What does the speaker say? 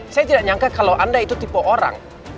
saya tidak nyangka kalau anda itu tipe orang